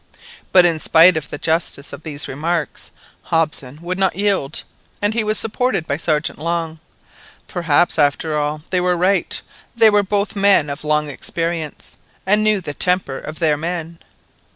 But in spite of the justice of these remarks, Hobson would not yield, and he was supported by Sergeant Long. Perhaps, after all, they were right; they were both men of long experience, and knew the temper of their men.